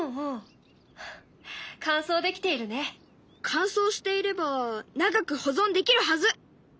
乾燥していれば長く保存できるはず！